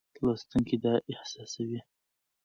لوستونکی دا احساسوي.